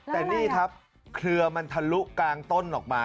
แต่นี่ครับเครือมันทะลุกลางต้นออกมา